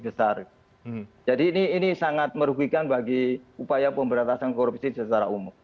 jadi ini sangat merugikan bagi upaya pemberantasan korupsi secara umum